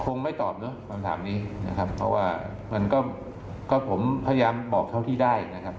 ไม่ตอบเนอะคำถามนี้นะครับเพราะว่ามันก็ผมพยายามบอกเท่าที่ได้นะครับ